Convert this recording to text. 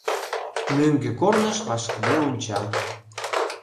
Мӧҥгӧ корныш вашкыде онча.